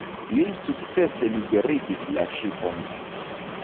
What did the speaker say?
Li sukcese liberigis la ŝipon.